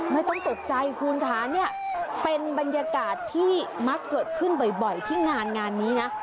ไม่ต้องตกใจคุณค่ะเนี่ยเป็นบรรยากาศที่มักเกิดขึ้นบ่อยที่งานงานนี้นะ